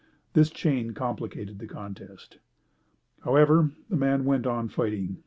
This chain complicated the contest. However, the man went on fighting.